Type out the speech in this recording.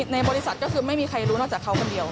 ในบริษัทก็คือไม่มีใครรู้นอกจากเขาคนเดียว